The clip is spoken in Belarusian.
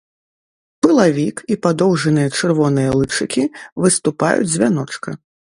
Пылавік і падоўжаныя чырвоныя лычыкі выступаюць з вяночка.